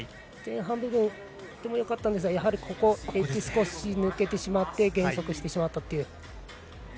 前半部分とてもよかったんですがここでエッジが少し抜けてしまって減速してしまったという。